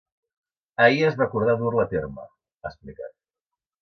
“Ahir es va acordar dur-la a terme”, ha explicat.